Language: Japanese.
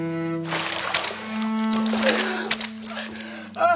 ああ。